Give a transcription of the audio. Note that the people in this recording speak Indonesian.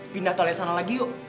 pindah tolnya sana lagi yuk